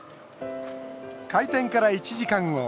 開店から１時間後。